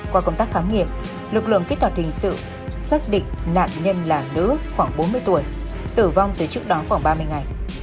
qua công tác khám nghiệm lực lượng kỹ thuật hình sự xác định nạn nhân là nữ khoảng bốn mươi tuổi tử vong từ trước đó khoảng ba mươi ngày